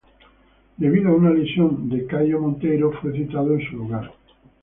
Debido a una lesión de Caio Monteiro, fue citado en su lugar.